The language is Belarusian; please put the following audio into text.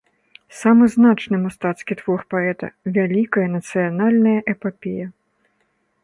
Самы значны мастацкі твор паэта, вялікая нацыянальная эпапея.